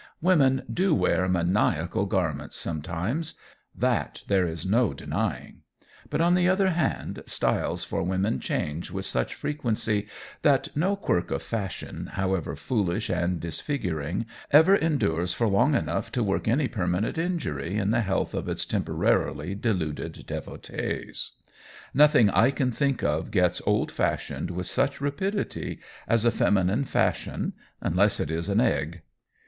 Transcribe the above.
Women do wear maniacal garments sometimes; that there is no denying. But on the other hand styles for women change with such frequency that no quirk of fashion however foolish and disfiguring ever endures for long enough to work any permanent injury in the health of its temporarily deluded devotees. Nothing I can think of gets old fashioned with such rapidity as a feminine fashion unless it is an egg.